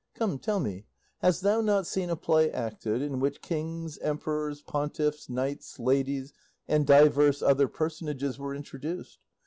Come, tell me, hast thou not seen a play acted in which kings, emperors, pontiffs, knights, ladies, and divers other personages were introduced?